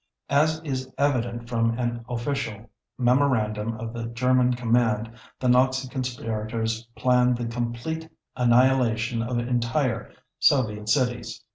As is evident from an official memorandum of the German command, the Nazi conspirators planned the complete annihilation of entire Soviet cities.